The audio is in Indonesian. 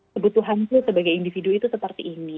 kebutuhannya sebagai individu itu seperti ini